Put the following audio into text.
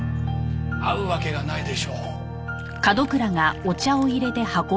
会うわけがないでしょう。